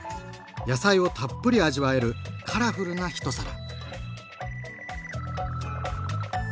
野菜をたっぷり味わえるカラフルな一皿！